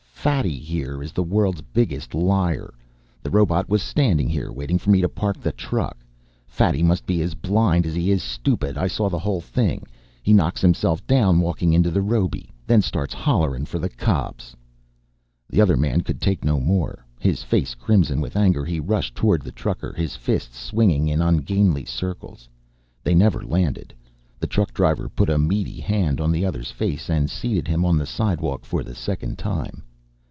"Fatty here, is the world's biggest liar. The robot was standing here waiting for me to park the truck. Fatty must be as blind as he is stupid, I saw the whole thing. He knocks himself down walking into the robe, then starts hollering for the cops." The other man could take no more. His face crimson with anger he rushed toward the trucker, his fists swinging in ungainly circles. They never landed, the truck driver put a meaty hand on the other's face and seated him on the sidewalk for the second time.